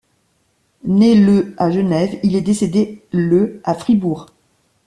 Né le à Genève, il est décédé le à Fribourg.